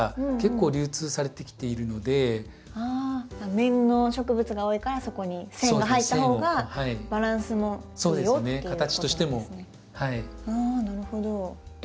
面の植物が多いからそこに線が入った方がバランスもいいよっていうことなんですね。